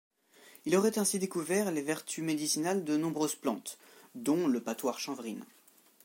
Il aurait ainsi découvert les vertus médicinales de nombreuses plantes dont l’eupatoire chanvrine.